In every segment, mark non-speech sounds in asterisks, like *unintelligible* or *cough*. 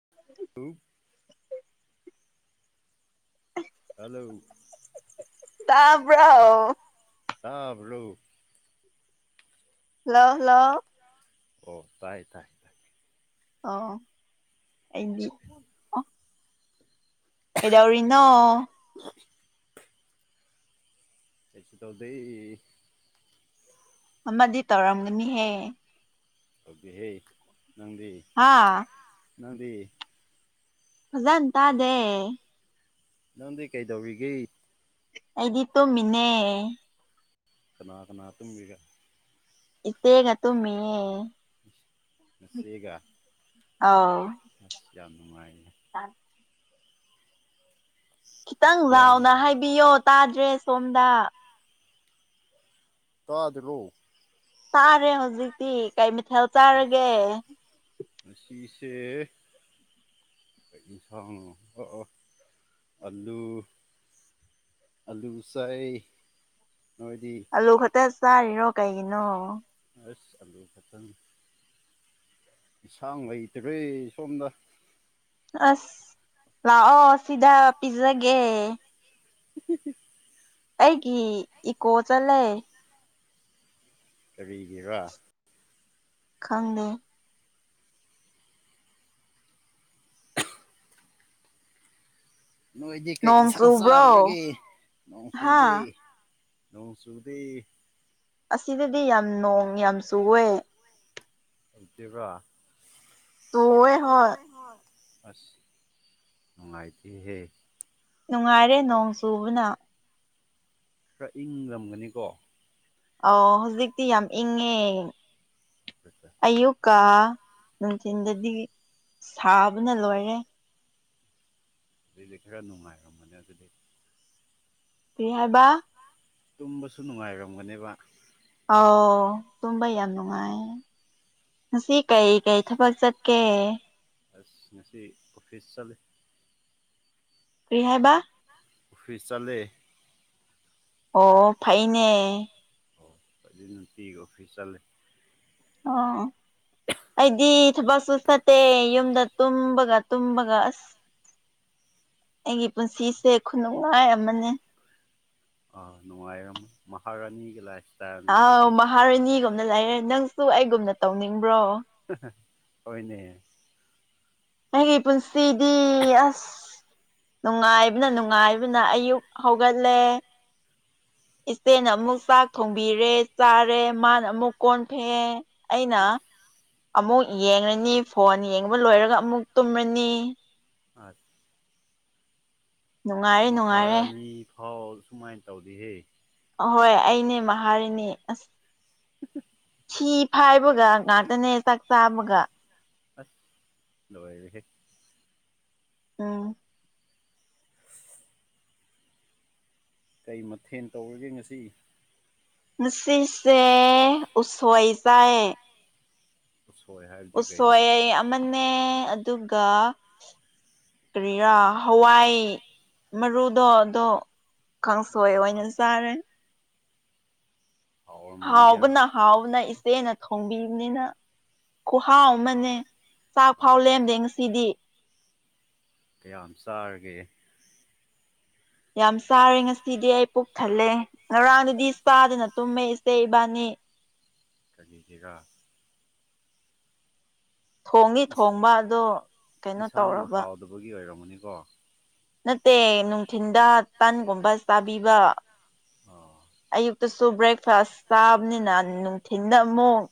*unintelligible* *unintelligible* hello ꯇꯕ꯭ꯔꯣ ꯇꯕ꯭ꯔꯣ hello hello ꯑꯣ ꯇꯥꯏ ꯇꯥꯏ ꯇꯥꯏ ꯑꯣ ꯑꯩꯗꯤ ꯀꯦꯗꯧꯔꯤꯅꯣ ꯀꯩꯁꯨ ꯇꯧꯗꯦ ꯑꯃꯗꯤ ꯇꯧꯔꯝꯒꯅꯤꯍꯦ ꯇꯧꯗꯦꯍꯦ ꯅꯪꯗꯤ ꯍꯥꯥ ꯅꯪꯗꯤ ꯐꯖꯟ ꯇꯗꯦ ꯅꯪꯗꯤ ꯀꯩꯗꯧꯔꯤꯒꯦ ꯑꯩꯗꯤ ꯇꯣꯝꯃꯤꯅꯦ ꯀꯅꯥ ꯀꯅꯥ ꯇꯨꯝꯃꯤꯔ ꯏꯆꯦꯒ ꯇꯨꯝ ꯃꯤꯌꯦ ꯅꯆꯦꯒ ꯑꯧ ꯑꯁ ꯌꯥꯝ ꯅꯨꯡꯉꯥꯏꯌꯦ ꯈꯤꯇꯪ ꯌꯥꯝ ꯂꯥꯎꯅ ꯍꯥꯏꯕꯤꯌꯣ ꯇꯥꯗ꯭ꯔꯦ ꯁꯣꯝꯗ ꯇꯥꯗꯔꯣ ꯇꯥꯔꯦ ꯍꯧꯖꯤꯛꯇꯤ ꯀꯩ ꯃꯊꯦꯜ ꯆꯥꯔꯒꯦ ꯉꯁꯤꯁꯦ ꯀꯩ ꯏꯟꯁꯥꯡꯅꯣ ꯑꯣ ꯑꯣ ꯑꯂꯨ ꯑꯂꯨ ꯆꯥꯏ ꯅꯣꯏꯗꯤ ꯑꯂꯨ ꯈꯛꯇ ꯆꯥꯔꯤꯔꯣ ꯀꯩꯒꯤꯅꯣ ꯑꯁ ꯑꯂꯨ ꯈꯇꯥꯅꯤ ꯏꯁꯥꯡ ꯂꯩꯇ꯭ꯔꯦ ꯁꯣꯝꯗ ꯑꯁ ꯂꯥꯛꯑꯣ ꯁꯤꯗ ꯄꯤꯖꯒꯦ *unintelligible* ꯑꯩꯒꯤ ꯏꯀꯣ ꯆꯠꯂꯦ ꯀꯔꯤꯒꯤꯔꯥ ꯈꯪꯗꯦ ꯅꯣꯏꯗꯤ ꯀꯩ ꯅꯣꯡ ꯌꯦꯟꯁꯥꯡ ꯆꯨꯕ꯭ꯔꯣ ꯆꯥꯈꯒꯦ ꯅꯣꯡꯆꯨꯗꯤ ꯍꯥ ꯅꯣꯡ ꯆꯨꯗꯩ ꯑꯁꯤꯗꯗꯤ ꯌꯥꯝ ꯅꯣꯡ ꯌꯥꯝꯁꯨ ꯑꯣꯏ *unintelligible* ꯇꯚꯥ ꯆꯨꯋꯦ ꯍꯣꯏ ꯑꯁ ꯅꯨꯡꯉꯥꯏꯇꯦꯍꯦ ꯅꯨꯡꯉꯥꯏꯔꯦ ꯅꯣꯡ ꯆꯨꯕꯅ ꯈꯔ ꯏꯪꯡꯂꯝꯒꯅꯤ ꯀꯣ ꯑ ꯍꯧꯖꯤꯛꯇꯤ ꯌꯥꯝ ꯏꯪꯉꯦ ꯄꯠꯇꯦ ꯑꯌꯨꯛꯀ ꯅꯨꯡꯊꯤꯟꯗꯗꯤ ꯁꯥꯕꯅ ꯂꯣꯏꯔꯦ ꯑꯗꯨꯗꯏꯗꯤ ꯈꯔ ꯅꯨꯡꯉꯥꯏꯔꯝꯕꯅꯦ ꯑꯗꯨꯗꯤ ꯀꯔꯤ ꯍꯥꯏꯕ ꯇꯨꯝꯕꯁꯨ ꯅꯨꯡꯉꯥꯏꯔꯝꯒꯅꯦꯕ ꯑꯣ ꯇꯨꯝꯕ ꯌꯥꯝ ꯅꯨꯡꯉꯥꯏ ꯀꯩ ꯀꯩ ꯊꯕꯛ ꯆꯠꯀꯦ ꯑꯁ ꯉꯁꯤ ꯑꯣꯐꯤꯁ ꯆꯠꯂꯤ ꯀꯔꯤꯍ ꯍꯥꯏꯕ ꯑꯣꯐꯤꯁ ꯆꯠꯂꯦ ꯑꯣ ꯐꯥꯏꯅꯦ ꯑꯣ ꯐꯖ ꯅꯨꯡꯇꯤꯒꯤ ꯑꯣꯐꯤꯁ ꯆꯠꯂꯦ ꯑꯣ ꯑꯩꯗꯤ ꯊꯕꯛꯁꯨ ꯐꯠꯇꯦ ꯌꯨꯝꯗ ꯇꯨꯝꯕꯒ ꯇꯨꯝꯕꯒ ꯑꯁ ꯑꯩꯒꯤ ꯄꯨꯟꯁꯤꯁꯦ ꯈꯨꯅꯨꯡꯉꯥꯏ ꯑꯃꯅꯤ ꯑꯥ ꯅꯨꯡꯉꯥꯏꯔꯝꯃ ꯃꯍꯥꯔꯥꯅꯤꯒꯤ ꯂꯥꯏ ꯑꯥꯎ ꯃꯍꯥꯔꯥꯅꯤꯒꯨꯝꯅ ꯂꯩꯔꯦ ꯅꯪꯁꯨ ꯑꯩꯒꯨꯝꯅ ꯇꯧꯅꯤꯡꯕ꯭ꯔꯣ ꯍꯣꯏꯅꯦ ꯑꯩꯒꯤ ꯄꯨꯟꯁꯤꯗꯤ ꯑꯁ ꯅꯨꯡꯉꯥꯏꯕꯅ ꯅꯨꯡꯉꯥꯏꯕꯅ ꯑꯌꯨꯛ ꯍꯧꯒꯠꯂꯦ ꯏꯆꯦꯅ ꯑꯃꯨꯛ ꯆꯥꯛ ꯊꯣꯡꯕꯤꯔꯦ ꯆꯥꯔꯦ ꯃꯥꯅ ꯑꯃꯨꯛ ꯀꯣꯟ ꯐꯩꯑꯦ ꯑꯩꯅ ꯑꯁ ꯑꯃꯨꯛ ꯌꯦꯡꯉꯅꯤ ꯐꯣꯟ ꯌꯦꯡꯕ ꯂꯣꯏꯔꯒ ꯑꯃꯨꯛ ꯇꯨꯝꯔꯅꯤ ꯑꯥ ꯅꯨꯡꯉꯥꯏꯔꯦ ꯅꯨꯡꯉꯥꯏꯔꯦ ꯃꯍꯥꯔꯥꯅꯤ ꯐꯥꯎ ꯁꯨꯃꯥꯏꯅ ꯇꯧꯔꯤꯍꯦ ꯑꯍꯣꯏ ꯑꯩꯅꯦ ꯃꯍꯥꯔꯤꯅꯤ ꯑꯁ ꯁꯤ ꯐꯥꯏꯕꯒ ꯉꯥꯛꯇꯅꯦ ꯆꯥꯛ ꯆꯥꯕꯒ ꯑꯁ ꯂꯣꯏꯔꯦ ꯎꯝ ꯀꯩ ꯃꯊꯦꯜ ꯇꯧꯔꯒꯦ ꯉꯁꯤ ꯁꯤꯁꯦ ꯎꯁꯣꯏꯖꯥꯏ ꯎꯁꯣꯏ ꯍꯥꯏ ꯎꯁꯣꯏ ꯑꯃꯅꯦ ꯑꯗꯨꯒ ꯀꯔꯤꯔꯥ ꯍꯋꯥꯏ ꯃꯔꯨꯗꯣ ꯑꯗꯣ ꯀꯥꯡꯁꯣꯏ ꯑꯥ ꯑꯥ ꯑꯣꯏꯅ ꯆꯥꯔꯦ ꯍꯥꯎꯔꯝꯒꯅꯤꯗ ꯍꯥꯎꯕꯅ ꯍꯥꯎꯕꯅ ꯏꯆꯦꯅ ꯊꯣꯡꯕꯤꯕꯅꯤꯅ ꯈꯨꯍꯥꯎ ꯑꯃꯅꯦ ꯆꯥꯛ ꯐꯥꯎ ꯑꯠꯆꯥ ꯂꯦꯝꯗꯦ ꯉꯁꯤꯗꯤ ꯀꯌꯥꯝ ꯆꯥꯔꯒꯦ ꯌꯥꯝ ꯆꯥꯔꯦ ꯉꯁꯤꯗꯤ ꯑꯩ ꯄꯨꯣꯛ ꯊꯜꯂꯦ ꯉꯔꯥꯡꯗꯗꯤ ꯆꯥꯗꯅ ꯇꯨꯝꯃꯦ ꯏꯆꯦ ꯏꯕꯥꯅꯤ ꯀꯔꯤꯁꯤꯒ ꯊꯣꯡꯉ ꯏꯁ ꯊꯣꯡꯕ ꯑꯗꯣ ꯀꯩꯅꯣ ꯇꯧꯔꯕ ꯑꯗꯨꯒꯤ ꯑꯣꯏꯔꯝꯃꯅꯤꯀꯣ ꯅꯠꯇꯦ ꯅꯨꯡꯊꯤꯟꯗ ꯇꯟꯒꯨꯝꯕ ꯆꯥꯕꯤꯕ ꯑꯣ ꯑꯌꯨꯛꯇꯁꯨ ꯕ꯭ꯔꯦꯛꯐꯥꯁ ꯆꯥꯕꯅꯤꯅ ꯅꯨꯡꯊꯤꯤꯟꯗ ꯑꯃꯨꯛ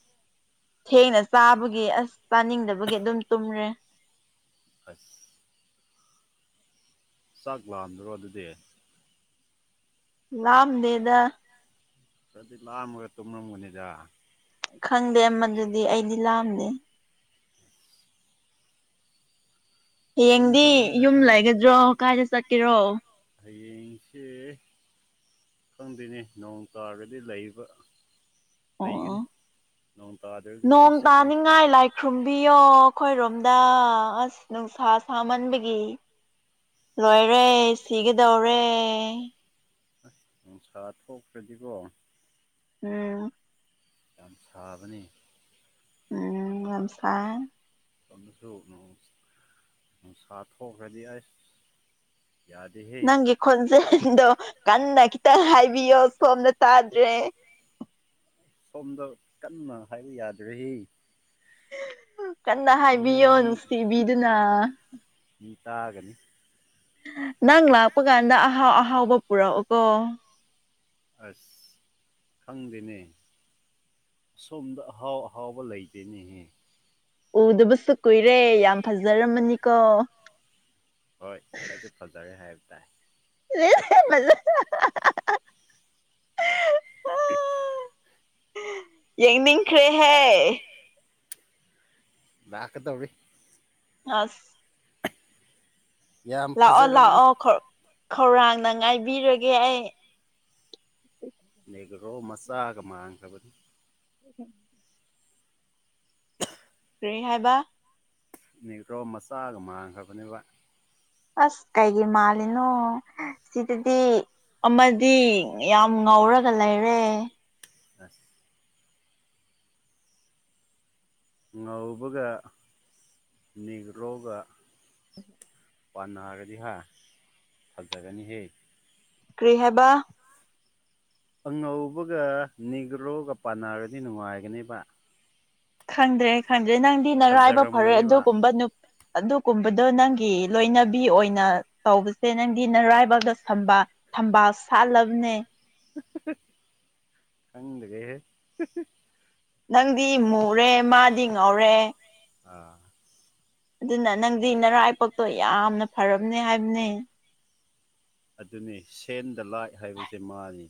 ꯊꯦꯡꯅ ꯆꯥꯕꯒꯤ ꯑꯁ ꯆꯥꯅꯤꯡꯗꯕꯒꯤ ꯑꯗꯨꯝ ꯇꯨꯝꯔꯦ ꯑꯁ ꯆꯥꯛ ꯂꯗ꯭ꯔꯣ ꯑꯗꯨꯗꯤ ꯂꯝ ꯗꯦꯗ ꯀꯗꯤ ꯂꯥꯑ ꯑꯃꯒ ꯇꯨꯝꯅꯝꯒꯅꯤꯖ ꯈꯪꯗꯦ ꯃꯗꯨꯗꯤ ꯑꯩꯗꯤ ꯂꯥꯑꯝꯅꯦ ꯍꯌꯦꯡꯗꯤ ꯇꯨꯝꯈ꯭ꯔꯕꯅꯤꯅ ꯌꯨꯝ ꯈꯪꯗꯦ ꯂꯩꯒꯗ꯭ꯔꯣ ꯀꯥꯏꯗ ꯆꯠꯀꯦꯔꯣ ꯍꯌꯦꯡꯁꯦ ꯈꯪꯗꯣꯏꯅꯤ ꯅꯣꯡ ꯇꯥꯔꯒꯗꯤ ꯂꯩꯕ ꯑꯣ ꯑꯣ ꯂꯩꯒꯅꯤ ꯅꯣꯡ ꯇꯥꯗ꯭ꯔꯁꯨ ꯄꯤꯁ ꯆꯠꯀꯅꯤ ꯂꯥꯏ ꯂꯥꯏ ꯈꯨ꯭ꯔꯨꯝꯕꯤꯌꯣ ꯑꯩꯈꯣꯏꯔꯣꯝꯗ ꯑꯁ ꯅꯨꯡꯁꯥ ꯁꯥꯃꯟꯕꯒꯤ ꯂꯣꯏꯔꯦ ꯁꯤꯒꯗꯧꯔꯦ ꯅꯨꯡꯁꯥ ꯊꯣꯛꯣꯛꯈ꯭ꯔꯗꯤꯀꯣ ꯎꯝ ꯌꯥꯝ ꯁꯥꯕꯅꯤ ꯎ ꯉꯝꯁ ꯃꯇꯝꯁꯨ ꯅꯨꯡꯁꯥ ꯊꯣꯛꯈ꯭ꯔꯗꯤ ꯑꯩ ꯌꯥ ꯅꯪꯒꯤ ꯈꯣꯟꯖꯦꯜꯗꯣ ꯀꯟꯅ ꯈꯤꯇꯪ ꯍꯥꯏꯕꯤꯌꯣ ꯁꯣꯝꯅ ꯇꯥꯗ꯭ꯔꯦ ꯁꯣꯝꯗ ꯀꯟꯅ ꯍꯥꯏꯕ ꯌꯥꯗ꯭ꯔꯍꯤ ꯀꯟꯅ ꯃꯤ ꯍꯥꯏꯕꯤꯌꯣ ꯅꯨꯡꯁꯤꯕꯤꯗꯨꯅ ꯃꯤ ꯇꯥꯒꯅꯤ ꯅꯪ ꯂꯥꯛꯄ ꯀꯥꯟꯗ ꯑꯍꯥꯎ ꯑꯍꯥꯎꯕ ꯄꯨꯔꯛꯑꯣꯀꯣ ꯑꯁ ꯈꯪꯗꯦꯅꯦ ꯁꯣꯝꯗ ꯑꯍꯥꯎ ꯑꯍꯥꯎꯕ ꯂꯩꯇꯦꯅꯦꯍꯦ ꯎꯗꯕꯁꯨ ꯀꯨꯏꯔꯦ ꯌꯥꯝ ꯐꯖꯔꯝꯃꯅꯤꯀꯣ ꯍꯣꯏ ꯈꯔꯗꯤ ꯐꯖꯔꯦ ꯍꯥꯏꯕ ꯇꯥꯏ ꯂꯩꯖ *unintelligible* ꯌꯦꯡꯅꯤꯡꯈ꯭ꯔꯦꯍꯦ ꯈ ꯇꯧ ꯑꯁ ꯌꯥꯝ ꯂꯥꯛꯑꯣ ꯐꯖꯔꯕꯅꯤ ꯂꯥꯛꯑꯣ ꯈꯧꯔꯥꯡꯅ ꯉꯥꯏꯕꯤꯔꯒꯦ ꯑꯩ ꯅꯦꯒ꯭ꯔꯣ ꯃꯆꯥꯒ ꯃꯥꯡꯈ꯭ꯔꯕꯅꯤ *unintelligible* ꯀꯩ ꯍꯥꯏꯕ ꯅꯦꯒ꯭ꯔꯣ ꯃꯆꯥꯒ ꯃꯥꯡꯈ꯭ꯔꯕꯅꯦꯕ ꯑꯁ ꯀꯩꯒꯤ ꯃꯥꯜꯂꯤꯅꯣ ꯁꯤꯗꯗꯤ ꯑꯃꯗꯤ ꯌꯥꯝ ꯉꯧꯔꯒ ꯂꯩꯔꯦ ꯑꯁ ꯉꯧꯕꯒ ꯅꯦꯒ꯭ꯔꯣꯒ ꯄꯥꯟꯅꯔꯗꯤ ꯍꯥ ꯐꯖꯒꯅꯤ ꯍꯦ ꯀ꯭ꯔꯤ ꯍꯥꯏꯕ ꯑꯉꯧꯕꯒ ꯅꯤꯒ꯭ꯔꯣꯒ ꯄꯥꯟꯅꯔꯗꯤ ꯅꯨꯡꯉꯥꯏꯒꯅꯤꯕ ꯈꯪꯗ꯭ꯔꯦ ꯈꯪꯗ꯭ꯔꯦ ꯅꯪꯗꯤ ꯅꯔꯥꯏꯕꯛ ꯐꯔꯦ ꯐꯖꯔꯝꯒꯅꯦꯕ ꯑꯗꯨꯒꯨꯝꯕ ꯅꯨ ꯑꯗꯨꯒꯨꯝꯕꯗꯣ ꯅꯪꯒꯤ ꯂꯣꯏꯅꯕꯤ ꯑꯣꯏꯅ ꯇꯧꯕꯁꯦ ꯅꯪꯗꯤ ꯅꯔꯥꯏꯕꯛꯗ ꯊꯝꯕꯥꯜ ꯊꯝꯕꯥꯜ ꯁꯥꯠꯂꯕꯅꯦ *unintelligible* ꯈꯗ꯭ꯔꯦꯍꯦ ꯅꯪꯗꯤ ꯃꯨꯔꯦ ꯃꯥꯗꯤ ꯉꯧꯔꯦ ꯑꯥ ꯑꯗꯨꯅ ꯅꯪꯗꯤ ꯅꯔꯥꯏꯕꯛꯇꯣ ꯌꯥꯝꯅ ꯐꯔꯕꯅꯦ ꯍꯥꯏꯕꯅꯦ ꯑꯗꯨꯅꯦ ꯁꯦꯟꯗ ꯂꯥꯏ ꯍꯥꯏꯕꯁꯦ ꯃꯥꯅꯤ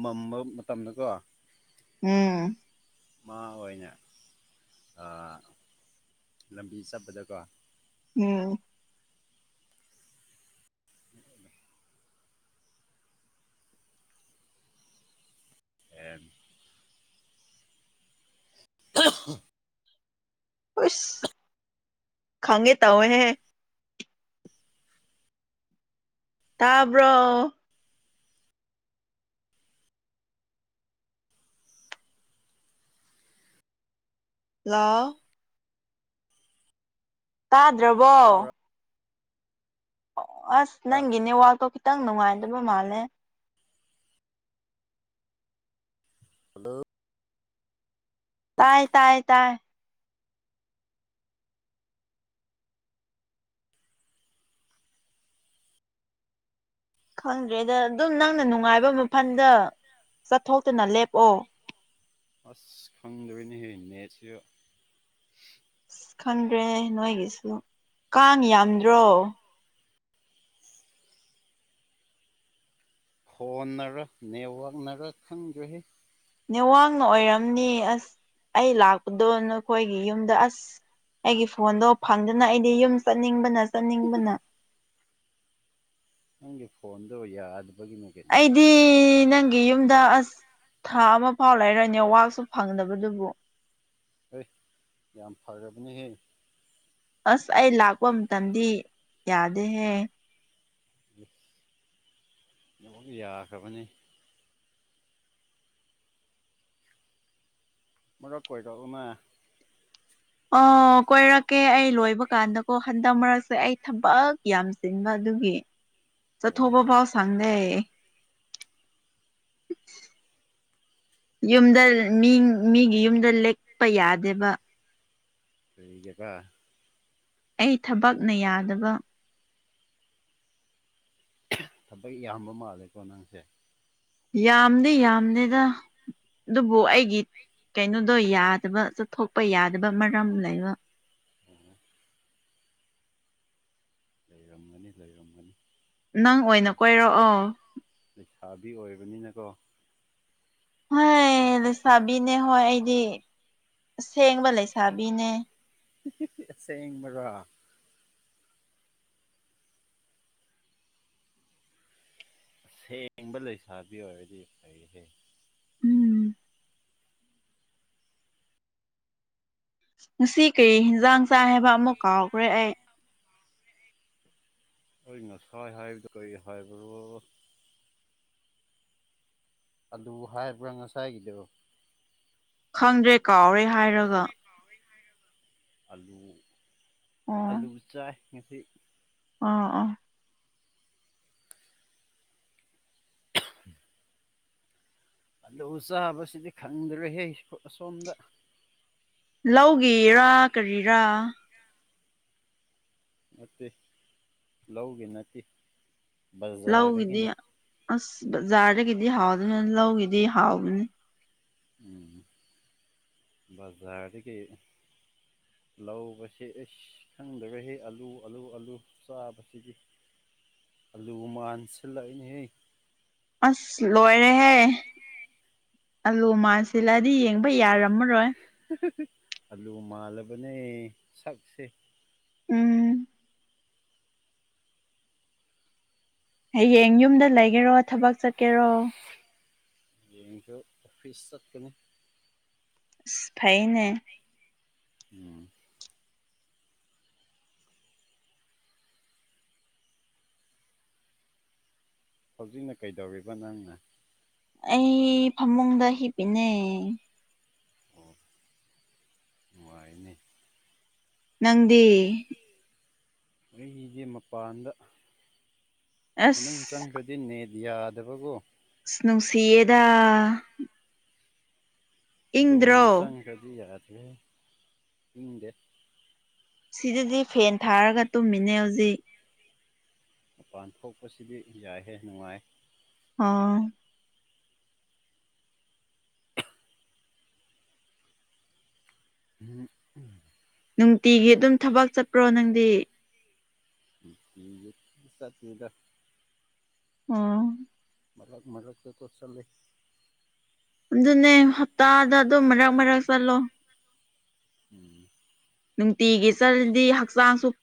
ꯃꯝꯕ ꯃꯇꯝꯗꯀꯣ ꯎꯝ ꯃꯥ ꯑꯣꯏꯅ ꯑ ꯂꯝꯕꯤ ꯆꯠꯄꯗꯀꯣ ꯎꯝ *unintelligible* ꯑꯦꯝ *unintelligible* ꯑꯨꯏꯁ ꯈꯪꯒꯦ ꯇꯧꯋꯦꯍꯦ ꯇꯥꯕ꯭ꯔꯣ ꯂꯣ ꯇꯥꯗ꯭ꯔꯕꯣ ꯇꯥꯕ꯭ꯔꯥ ꯑꯣ ꯑꯁ ꯅꯪꯒꯤ ꯅꯦꯋꯥꯛꯇꯣ ꯈꯤꯇꯪ ꯅꯨꯡꯉꯥꯏꯗꯕ ꯃꯥꯜꯂꯦ ꯍꯜꯂꯣ ꯇꯥꯏ ꯇꯥꯏ ꯇꯥꯏ ꯈꯪꯗ꯭ꯔꯦꯗ ꯑꯗꯨꯝ ꯅꯪꯅ ꯅꯨꯡꯉꯥꯏꯕ ꯃꯐꯝꯗ ꯆꯠꯊꯣꯛꯇꯨꯅ ꯂꯦꯞꯑꯣ ꯑꯁ ꯈꯪꯗ꯭ꯔꯦꯅꯦꯍꯦ ꯅꯦꯠꯁꯨ ꯑꯁ ꯈꯪꯗ꯭ꯔꯦ ꯅꯣꯏꯒꯤꯁꯨ ꯀꯥꯡ ꯌꯥꯝꯗ꯭ꯔꯣ ꯐꯣꯟꯅꯔ ꯅꯦꯠꯋꯥꯛꯅꯔ ꯈꯪꯗ꯭ꯔꯦꯍꯦ ꯅꯦꯋꯥꯡꯅ ꯑꯣꯏꯔꯝꯅꯤ ꯑꯁ ꯑꯩ ꯂꯥꯛꯄꯗꯣ ꯅꯈꯣꯏꯒꯤ ꯌꯨꯝꯗ ꯑꯁ ꯑꯩꯒꯤ ꯐꯣꯟꯗꯣ ꯐꯪꯗꯅ ꯑꯩꯗꯤ ꯌꯨꯝ ꯆꯠꯅꯤꯡꯕꯅ ꯆꯠꯅꯤꯡꯕꯅ ꯅꯪꯒꯤ ꯐꯣꯟꯗꯣ ꯌꯥꯗꯕꯒꯤꯅꯦ ꯀꯩꯅꯣ ꯑꯩꯗꯤ ꯗꯤ ꯅꯪꯒꯤ ꯌꯨꯝꯗ ꯑꯁ ꯊꯥ ꯑꯃ ꯐꯥꯎ ꯂꯩꯔꯣꯏ ꯅꯦꯠꯋꯥꯛꯁꯨ ꯐꯪꯗꯕꯗꯨꯕꯨ ꯑꯩ ꯌꯥꯝ ꯐꯔꯕꯅꯦꯍꯦ ꯑꯁ ꯑꯩ ꯂꯥꯛꯄ ꯃꯇꯝꯗꯤ ꯌꯥꯗꯦꯍꯦ *unintelligible* *inaudible* ꯌꯥꯈ꯭ꯔꯕꯅꯦ ꯑꯃꯨꯔꯛ ꯀꯣꯏꯔꯛ ꯎꯅ ꯑꯣ ꯀꯣꯏꯔꯛꯀꯦ ꯑꯩ ꯂꯣꯏꯕ ꯀꯥꯟꯗ ꯑꯣ ꯍꯟꯗꯛ ꯃꯔꯛꯁꯦ ꯑꯩ ꯊꯕꯛ ꯌꯥꯝ ꯆꯤꯟꯕ ꯑꯗꯨꯒꯤ ꯑꯣ ꯆꯠꯊꯣꯛꯕ ꯐꯥꯎ ꯐꯪꯗꯦ ꯌꯨꯝꯗ ꯃꯤ ꯃꯤꯒꯤ ꯌꯨꯝꯗ ꯂꯦꯛꯄ ꯌꯥꯗꯦꯕ ꯀꯩꯑꯕ ꯑꯩ ꯊꯕꯛꯅ ꯌꯥꯗꯕ ꯊꯕꯛ ꯌꯥꯝꯕ ꯃꯥꯜꯂꯦꯀꯣ ꯅꯪꯁꯦ ꯌꯥꯝꯗꯤ ꯌꯥꯝꯗꯦꯗ ꯑꯗꯨꯕꯨ ꯑꯩꯒꯤ ꯀꯩꯅꯣ ꯑꯗꯣ ꯌꯥꯗꯕ ꯆꯠꯊꯣꯛꯄ ꯌꯥꯗꯕ ꯃꯔꯝ ꯂꯩꯕ ꯎꯝ ꯂꯩꯔꯝꯒꯅꯤ ꯂꯩꯔꯝꯒꯅꯤ ꯅꯪ ꯑꯣꯏꯅ ꯀꯣꯏꯔꯛꯑꯣ ꯂꯩꯁꯥꯕꯤ ꯑꯣꯏꯕꯅꯤꯅꯀꯣ ꯍꯣꯏ ꯂꯩꯁꯥꯕꯤꯅꯦ ꯍꯣꯏ ꯑꯩꯗꯤ ꯑꯁꯦꯡꯕ ꯂꯩꯁꯥꯕꯤꯅꯦ ꯑꯁꯦꯡ ꯕꯔꯥ ꯑꯁꯦꯡꯕ ꯂꯩꯁꯥꯕꯤ ꯑꯣꯏꯔꯗꯤ ꯐꯩꯍꯦ ꯎꯝ ꯉꯁꯤ ꯀꯔꯤ ꯍꯦꯟꯖꯥꯡ ꯆꯥꯏ ꯍꯥꯏꯕ ꯑꯃꯨꯛ ꯀꯥꯎꯒ꯭ꯔꯦ ꯑꯩ ꯑꯩ ꯉꯁꯥꯏ ꯍꯥꯏꯕꯗꯨ ꯀꯔꯤ ꯍꯥꯏꯕꯔꯣ ꯑꯜꯂꯨ ꯍꯥꯏꯕ꯭ꯔꯥ ꯉꯁꯥꯏꯒꯤꯗꯨ ꯈꯪꯗ꯭ꯔꯦ ꯀꯥꯎꯔꯦ ꯍꯥꯏꯔꯒ ꯑꯂꯨ ꯑꯣ ꯑꯂꯨ ꯆꯥꯏ ꯉꯥꯁꯤ ꯑꯥ ꯑꯥ *unintelligible* ꯑꯗꯨ ꯆꯥꯕꯁꯤꯗꯤ ꯈꯪꯗ꯭ꯔꯍꯦ ꯑꯁꯣꯝꯗ ꯂꯧꯒꯤꯔꯥ ꯀꯔꯤꯔꯥ ꯅꯠꯇꯦ ꯂꯧꯒꯤ ꯅꯠꯇꯦ ꯂꯧꯒꯤꯗꯤ ꯕꯖꯥꯔꯗꯒꯤꯅꯤ ꯑꯁ ꯕꯖꯥꯔꯗꯒꯤꯗꯤ ꯍꯥꯎꯗꯅ ꯂꯧꯒꯤꯗꯤ ꯍꯥꯎꯕꯅꯤ ꯎꯝ ꯕꯖꯔꯗꯒꯤ ꯍꯂꯣ ꯑꯁꯤ ꯑꯩꯁ ꯈꯪꯗꯔꯦꯍꯦ ꯑꯜꯂꯨ ꯑꯜꯂꯨ ꯑꯜꯂꯨ ꯆꯥꯕꯁꯤꯗꯤ ꯑꯜꯂꯨ ꯃꯥꯟꯁꯤꯜꯂꯛꯏꯅꯦꯍꯦ ꯑꯁ ꯂꯣꯏꯔꯦꯍꯦ ꯑꯂꯨ ꯃꯥꯥꯟꯁꯤꯜꯑꯗꯤ ꯌꯦꯡꯕ ꯌꯥꯔꯣꯏ ꯑꯃꯔꯣꯏ ꯑꯂꯨ ꯃꯥꯜꯂꯕꯅꯦ ꯁꯛꯁꯦ ꯎꯝ ꯍꯌꯦꯡ ꯌꯨꯝꯗ ꯂꯩꯒꯦꯔꯣ ꯊꯕꯛ ꯆꯠꯀꯦꯔꯣ ꯌꯦꯡꯖꯨ ꯑꯣꯐꯤꯁ ꯆꯠꯀꯅꯤ ꯐꯥꯏꯅꯦ ꯎꯝ ꯍꯧꯖꯤꯛꯅ ꯀꯩꯗꯧꯔꯤꯕ ꯅꯪꯅ ꯑꯩ ꯐꯃꯨꯡꯗ ꯍꯤꯞꯄꯤꯅꯦ ꯑꯣ ꯅꯨꯡꯉꯥꯏꯅꯦ ꯅꯪꯗꯤ ꯑꯩꯒꯤꯗꯤ ꯃꯄꯥꯟꯗ ꯃꯅꯨꯡ ꯑꯁ ꯆꯪꯈ꯭ꯔꯗꯤ ꯅꯦꯠ ꯌꯥꯗꯕꯒꯣ ꯏꯁ ꯅꯨꯡꯁꯤꯌꯦꯗ ꯔꯨꯝ ꯏꯪꯗ꯭ꯔꯣ ꯆꯪꯒ꯭ꯔꯗꯤ ꯌꯥꯗꯦ ꯏꯪꯗꯦ ꯁꯤꯗꯗꯤ ꯐꯦꯟ ꯊꯥꯔꯒ ꯇꯨꯝꯃꯤꯅꯦ ꯍꯧꯖꯤꯛ ꯃꯄꯥꯟ ꯊꯣꯛꯄꯁꯤꯗꯤ ꯌꯥꯏꯍꯦ ꯅꯨꯡꯉꯥꯏ ꯑꯥ ꯎꯝ ꯎꯝ ꯅꯨꯡꯇꯤꯒꯤ ꯑꯗꯨꯝ ꯊꯕꯛ ꯆꯠꯄ꯭ꯔꯣ ꯅꯪꯗꯤ ꯅꯨꯡꯇꯤꯒꯤ ꯆꯠꯇꯦꯗ ꯑꯣ ꯃꯔꯛ ꯃꯔꯛ ꯇ ꯀꯣ ꯆꯠꯂꯦ ꯑꯗꯨꯅꯦ ꯍꯞꯇꯥꯗ ꯑꯗꯨꯝ ꯃꯔꯛ ꯃꯔꯛ ꯆꯠꯂꯣ ꯎꯝ ꯅꯨꯡꯇꯤꯒꯤ ꯆꯠꯂꯗꯤ ꯍꯛꯆꯥꯡꯁꯨ